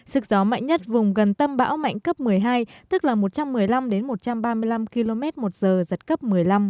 sức gió mạnh nhất vùng gần tâm bão mạnh cấp một mươi hai tức là một trăm một mươi năm một trăm ba mươi năm km một giờ giật cấp một mươi năm